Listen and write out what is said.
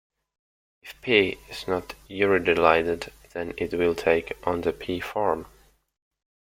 If P is not uridylylated, then it will take on the P form.